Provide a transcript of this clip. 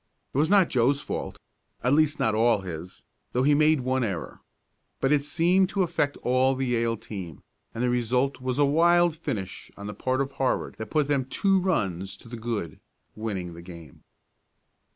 It was not Joe's fault at least not all his, though he made one error. But this seemed to affect all the Yale team, and the result was a wild finish on the part of Harvard that put them two runs to the good, winning the game.